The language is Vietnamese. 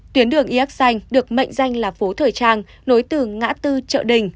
tuyến đường yx xanh được mệnh danh là phố thời trang nối từ ngã bốn trợ đình